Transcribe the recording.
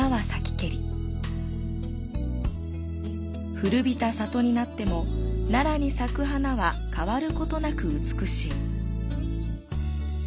古びた里になっても奈良に咲く花は変わることなく美しい。